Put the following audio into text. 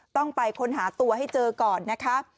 ต้องไปค้นหาตัวให้เจอก่อนนะคะ